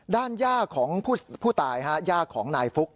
ย่าของผู้ตายย่าของนายฟุ๊ก